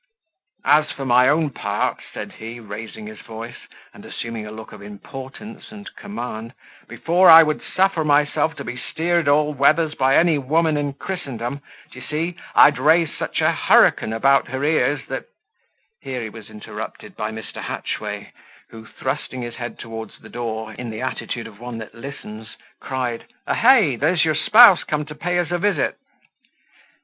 "As for my own part," said he, raising his voice, and assuming a look of importance and command, "before I would suffer myself to be steered all weathers by any woman in Christendom, d'ye see, I'd raise such a hurricane about her ears, that " Here he was interrupted by Mr. Hatchway, who thrusting his head towards the door, in the attitude of one that listens, cried, "Ahey, there's your spouse come to pay us a visit."